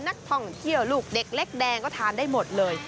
นักท่องเที่ยวลูกเด็กเล็กแดงก็ทานได้หมดเลย